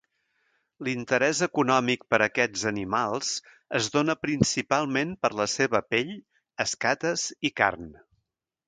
L’interès econòmic per aquests animals es dóna principalment per la seva pell, escates i carn.